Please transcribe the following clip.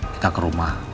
kita ke rumah